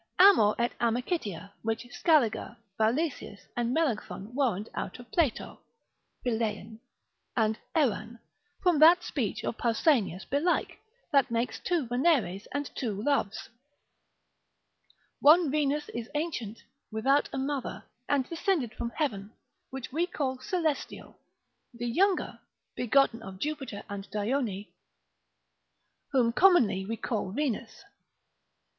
Amor et amicitia, which Scaliger exercitat. 301. Valesius and Melancthon warrant out of Plato Φιλεῖν and ἐρᾶν from that speech of Pausanias belike, that makes two Veneres and two loves. One Venus is ancient without a mother, and descended from heaven, whom we call celestial; the younger, begotten of Jupiter and Dione, whom commonly we call Venus.